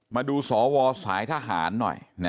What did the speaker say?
มาดูสวสายทหารหน่อย